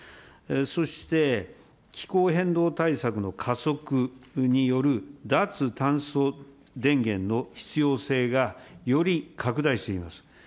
そして、気候変動対策の加速による脱炭素電源の必要性がより拡大しています。